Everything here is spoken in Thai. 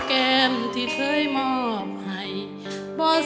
ก้าว